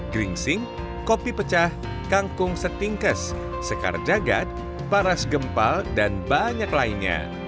gringsing kopi pecah kangkung setingkes sekar jagad paras gempal dan banyak lainnya